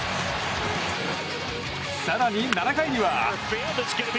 更に７回には。